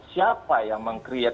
siapa yang meng create